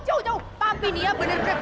jauh jauh papi nih ya bener bener